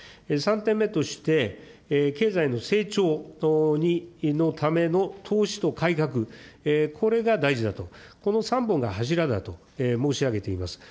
３点目として、経済の成長のための投資と改革、これが大事だと、この３本が柱だと申し上げています。